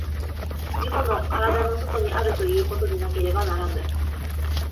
自己の身体の外にあるということでなければならぬ。